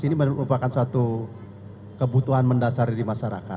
transvasasi juga merupakan suatu kebutuhan mendasar di masyarakat